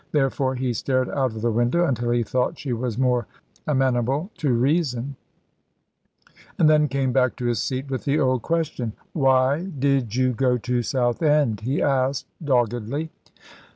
Therefore he stared out of the window until he thought she was more amenable to reason, and then came back to his seat with the old question. "Why did you go to Southend?" he asked, doggedly.